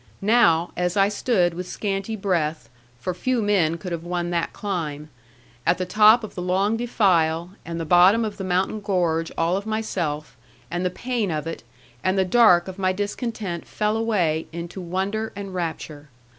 Now, as I stood with scanty breath for few men could have won that climb at the top of the long defile, and the bottom of the mountain gorge all of myself, and the pain of it, and the cark of my discontent fell away into wonder and rapture.